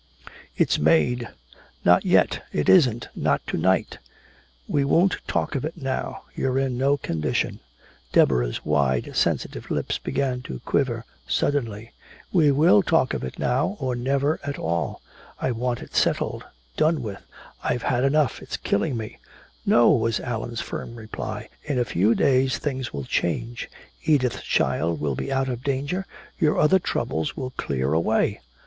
"It's made!" "Not yet, it isn't, not to night. We won't talk of it now, you're in no condition." Deborah's wide sensitive lips began to quiver suddenly: "We will talk of it now, or never at all! I want it settled done with! I've had enough it's killing me!" "No," was Allan's firm reply, "in a few days things will change. Edith's child will be out of danger, your other troubles will clear away!"